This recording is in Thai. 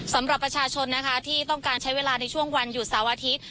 สำหรับประชาชนนะคะที่ต้องการใช้เวลาในช่วงวันหยุดเสาร์อาทิตย์